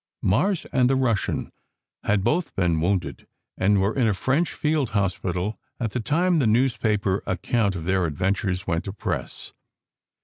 Mars and the Russian had both been wounded, and were in a French field hospital at the time the newspaper account of their adventures went to press.